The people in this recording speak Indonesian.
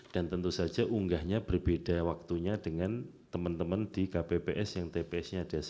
dan tentu saja unggahnya berbeda waktunya dengan teman teman di kpps yang tps nya ada